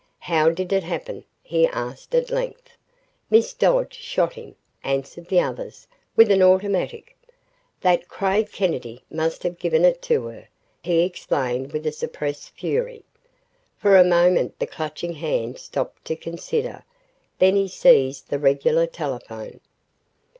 "How did it happen?" he asked at length. "Miss Dodge shot him," answered the others, "with an automatic." "That Craig Kennedy must have given it to her!" he exclaimed with suppressed fury. For a moment the Clutching Hand stopped to consider. Then he seized the regular telephone.